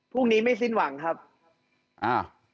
พรุ่งนี้ไม่สิ้นหวังครับอ้าว